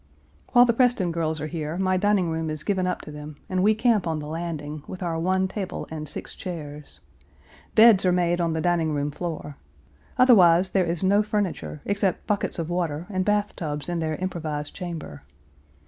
While the Preston girls are here, my dining room is given up to them, and we camp on the landing, with our one table and six chairs. Beds are made on the dining room floor. Otherwise there is no furniture, except buckets of water and bath tubs in their improvised chamber.